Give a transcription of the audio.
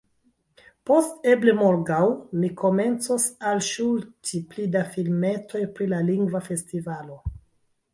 Post eble morgaŭ, mi komencos alŝuti pli da filmetoj pri la Lingva Festivalo.